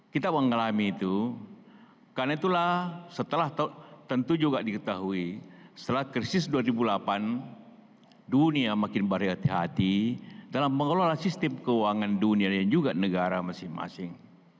kita mengalami itu karena itulah setelah tentu juga diketahui setelah krisis dua ribu delapan dunia makin berhati hati dalam mengelola sistem keuangan dunia dan juga negara masing masing